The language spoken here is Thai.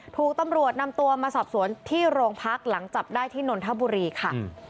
ถูกตำรวจนำตัวมาสอบสวนที่โรงพักหลังจับได้ที่นนทบุรีค่ะ